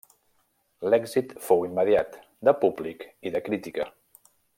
L'èxit fou immediat, de públic i de crítica.